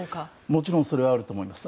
もちろんそれはあると思います。